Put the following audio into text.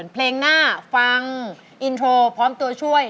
เพลงหน้าฟังอินโทรพร้อมตัวช่วย